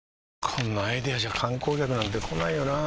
こんなアイデアじゃ観光客なんて来ないよなあ